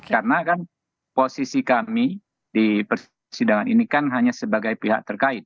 karena kan posisi kami di persidangan ini kan hanya sebagai pihak terkait